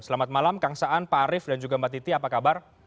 selamat malam kang saan pak arief dan juga mbak titi apa kabar